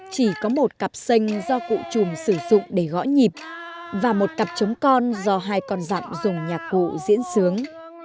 chỉ có một cặp xanh do cụ trùm sử dụng để gõ nhịp và một cặp trống con do hai con dặm dùng nhạc cụ diễn sướng